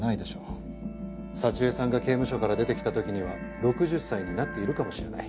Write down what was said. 佐知恵さんが刑務所から出てきた時には６０歳になっているかもしれない。